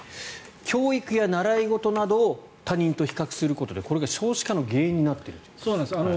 教育や習い事などを他人と比較することでこれが少子化の原因になっているということです。